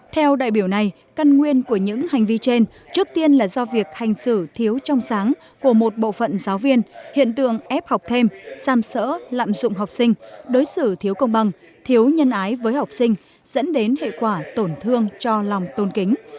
theo đại biểu này căn nguyên của những hành vi trên trước tiên là do việc hành xử thiếu trong sáng của một bộ phận giáo viên hiện tượng ép học thêm xam sỡ lạm dụng học sinh đối xử thiếu công bằng thiếu nhân ái với học sinh dẫn đến hệ quả tổn thương cho lòng tôn kính